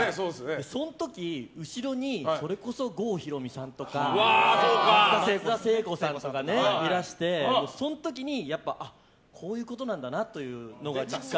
その時、後ろに郷ひろみさんとか松田聖子さんとかいらしてその時にやっぱこういうことなんだなというのを実感。